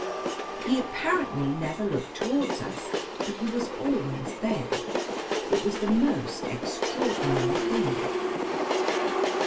He apparently never looked toward us, but he was always there. It was the most extraordinary thing.